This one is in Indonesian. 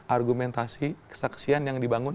argumentasi kesaksian yang dibangun